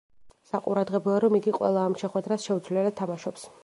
საყურადღებოა, რომ იგი ყველა ამ შეხვედრას შეუცვლელად თამაშობს.